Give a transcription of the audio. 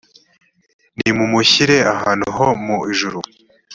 nimumushire ahantu ho mu ijuru